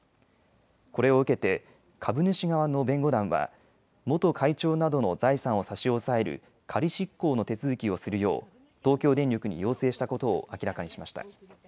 これを受けて株主側の弁護団は元会長などの財産を差し押さえる仮執行の手続きをするよう東京電力に要請したことを明らかにしました。